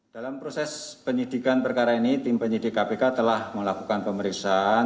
dalam proses penyidikan perkara ini tim penyidik kpk telah melakukan pemeriksaan